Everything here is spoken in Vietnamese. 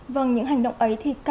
vâng những hành động ấy thì cao